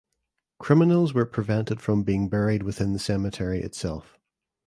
Criminals were prevented from being buried within the cemetery itself.